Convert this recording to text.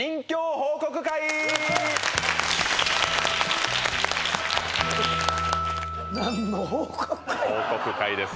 報告会です